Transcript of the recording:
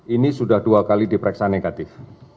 ini sudah dua kali diperiksa negatif